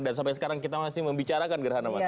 dan sampai sekarang kita masih membicarakan gerhana matahari